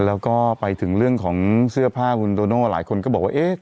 แล้วก็ไปถึงเรื่องของเสื้อผ้าคุณโตโน่หลายคนก็บอกว่าเอ๊ะ